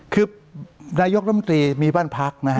คือนายกรมตรีมีบ้านพักนะฮะ